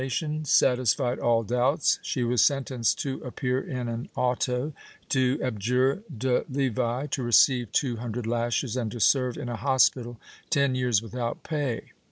188 SORCERY AND OCCULT ARTS [Book VIII satisfied all doubts; she was sentenced to appear in an auto, to abjure de levi, to receive two hundred lashes and to serve in a hospital ten years without pay.